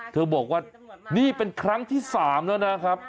เธอบอกว่านี่เป็นครั้งที่๓แล้วนะครับ